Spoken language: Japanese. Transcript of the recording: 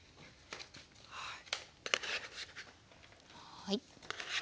はい。